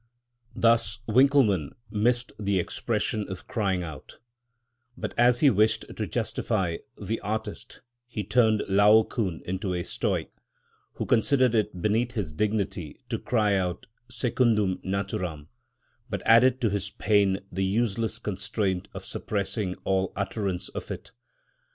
Thus Winckelmann missed the expression of crying out; but as he wished to justify the artist he turned Laocoon into a Stoic, who considered it beneath his dignity to cry out secundum naturam, but added to his pain the useless constraint of suppressing all utterance of it.